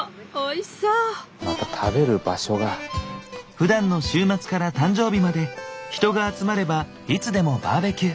ふだんの週末から誕生日まで人が集まればいつでもバーベキュー。